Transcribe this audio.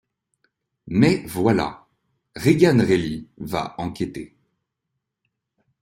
Mais voilà, Regan Reilly va enquêter...